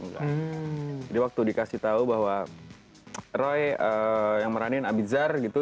jadi waktu dikasih tahu bahwa roy yang meranin abizar gitu